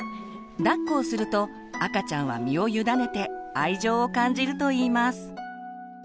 だっこをすると赤ちゃんは身を委ねて愛情を感じるといいます。